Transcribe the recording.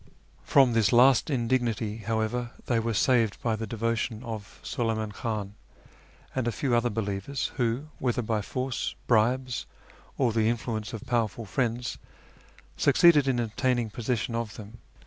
From this last indignity, however, they were saved by the devotion of Suleyman Khan and a few other believers, who, whether by force, bribes, or the influence 64 A YEAR AMONGST THE PERSIANS of powerful friends, succeeded in obtaining possession of them.